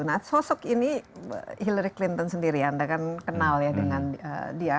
nah sosok ini hillary clinton sendiri anda kan kenal ya dengan dia